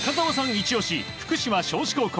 イチ押し福島・尚志高校